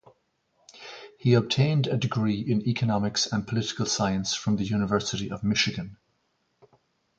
He obtained a degree in economics and political science from the University of Michigan.